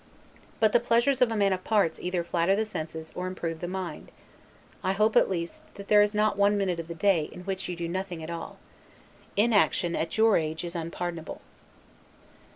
But the pleasures of a man of parts either flatter the senses or improve the mind; I hope at least, that there is not one minute of the day in which you do nothing at all. Inaction at your age is unpardonable.